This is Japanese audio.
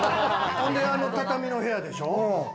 ほんであの畳の部屋でしょ。